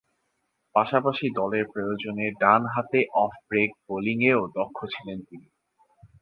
পাশাপাশি দলের প্রয়োজনে ডান হাতে অফ-ব্রেক বোলিংয়েও দক্ষ ছিলেন তিনি।